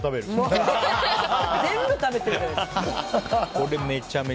全部食べてる。